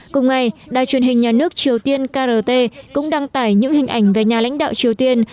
cùng ngày đài truyền hình nhà nước triều tiên krt cũng đăng tải những hình ảnh về nhà lãnh đạo triều tiên